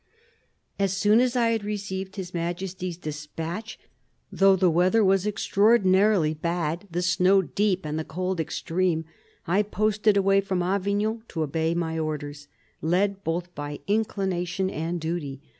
" As soon as I had received His Majesty's despatch, though the weather was extraordinarily bad, the snow deep and the cold extreme, I posted away from Avignon to obey my orders, led both by inclination and duty.